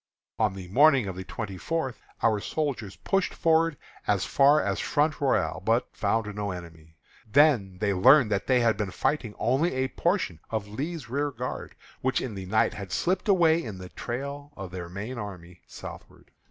On the morning of the twenty fourth our soldiers pushed forward as far as Front Royal, but found no enemy. They then learned that they had been fighting only a portion of Lee's rearguard, which in the night had slipped away in the trail of their main army southward.